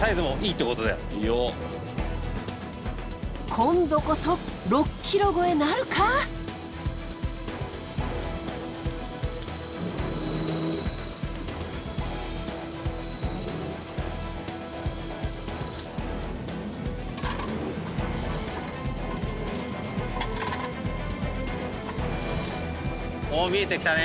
今度こそ６ｋｇ超えなるか⁉おっ見えてきたね。